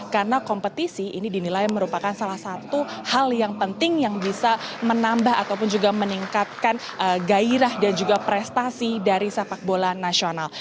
karena kompetisi ini dinilai merupakan salah satu hal yang penting yang bisa menambah ataupun juga meningkatkan gairah dan juga prestasi dari sepak bola nasional